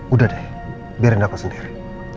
udah deh biarin aku sendiri